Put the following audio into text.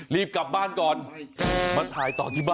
รีบกลับบ้านก่อนมาถ่ายต่อจริงป่ะ